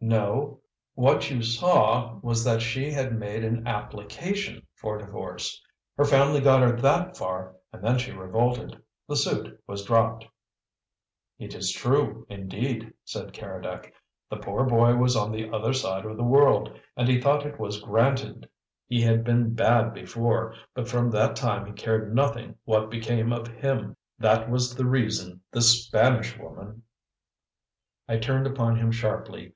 "No. What you saw was that she had made an application for divorce. Her family got her that far and then she revolted. The suit was dropped." "It is true, indeed," said Keredec. "The poor boy was on the other side of the world, and he thought it was granted. He had been bad before, but from that time he cared nothing what became of him. That was the reason this Spanish woman " I turned upon him sharply.